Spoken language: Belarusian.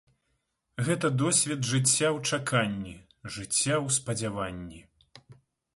Гэта досвед жыцця ў чаканні, жыцця ў спадзяванні.